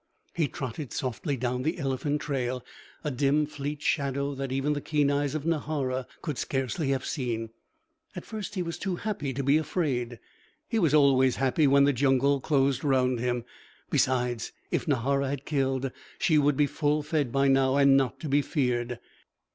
He trotted softly down the elephant trail, a dim, fleet shadow that even the keen eyes of Nahara could scarcely have seen. At first he was too happy to be afraid. He was always happy when the jungle closed round him. Besides, if Nahara had killed, she would be full fed by now and not to be feared.